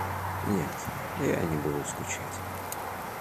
Нет, я не буду скучать.